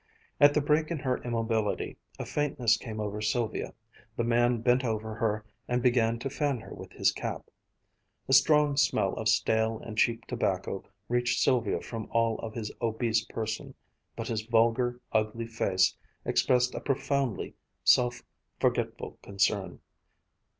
At the break in her immobility, a faintness came over Sylvia. The man bent over her and began to fan her with his cap. A strong smell of stale and cheap tobacco reached Sylvia from all of his obese person, but his vulgar, ugly face expressed a profoundly self forgetful concern.